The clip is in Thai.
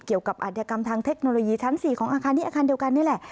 อัธยกรรมทางเทคโนโลยีชั้น๔ของอาคารนี้อาคารเดียวกันนี่แหละ